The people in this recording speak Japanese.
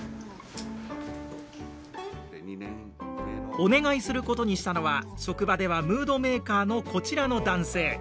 お願いすることにしたのは職場ではムードメーカーのこちらの男性。